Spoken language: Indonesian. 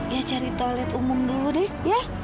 ya cari toilet umum dulu deh ya